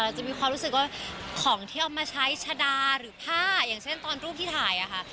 จะมีความรู้สึกว่าของที่เอามาใช้ชะดาหรือผ้าอย่างเช่นตอนรูปที่ถ่ายอะค่ะ